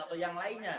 atau yang lainnya